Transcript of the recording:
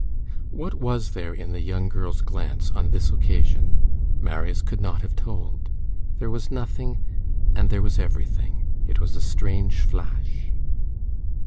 What was there in the young girl's glance on this occasion? Marius could not have told. There was nothing and there was everything. It was a strange flash.